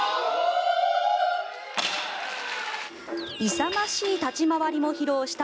勇ましい立ち回りも披露した